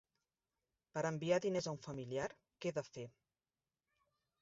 Per enviar diners a un familiar, què he de fer?